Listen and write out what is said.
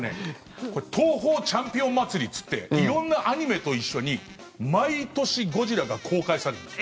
これ東宝チャンピオンまつりっつって色んなアニメと一緒に毎年「ゴジラ」が公開されるんです。